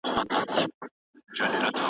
موټر په چټکۍ سره د کلا له دروازې ووت.